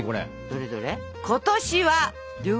どれどれ？